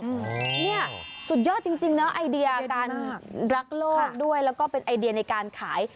เนี่ยสุดยอดจริงเนอะไอเดียการรักโลกด้วยแล้วก็เป็นไอเดียในการขาย